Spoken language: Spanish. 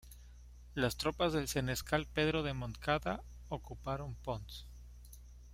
Las tropas del senescal Pedro de Montcada ocuparon Ponts.